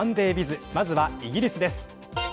まずはイギリスです。